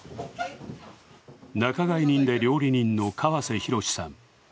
仲買人で料理人の川瀬洋さん。